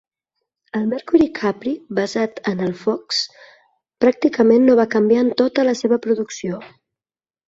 El Mercury Capry basat en el Fox pràcticament no va canviar en tota la seva producció.